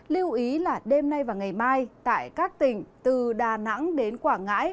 lưu ý là đêm nay và ngày mai tại các tỉnh từ đà nẵng đến quảng ngãi